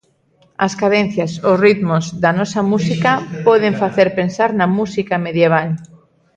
As cadencias, os ritmos, da nosa música, poden facer pensar na música medieval.